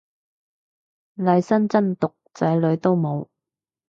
利申真毒仔女都冇